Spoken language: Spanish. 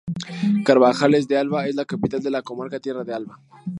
Carbajales de Alba es la capital de la comarca Tierra de Alba.